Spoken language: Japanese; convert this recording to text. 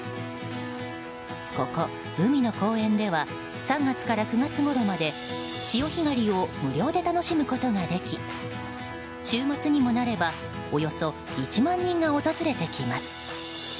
ここ海の公園では３月から９月ごろまで潮干狩りを無料で楽しむことができ週末にもなればおよそ１万人が訪れてきます。